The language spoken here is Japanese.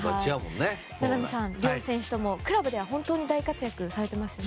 名波さん、両選手ともクラブでは本当に大活躍されてますね。